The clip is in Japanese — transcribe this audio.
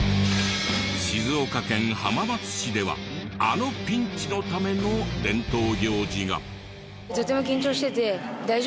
静岡県浜松市ではあのピンチのための伝統行事が。